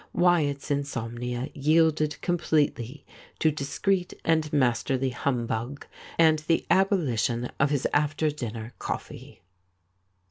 Wyatt's insomnia yielded completely to discreet and masterly humbug and the abolition of his after dinner coffee.